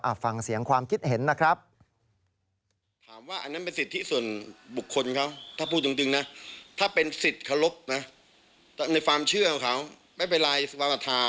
ฟังเสียงความคิดเห็นนะครับ